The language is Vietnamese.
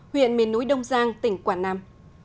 huyện miền núi đông giang tỉnh quảng nam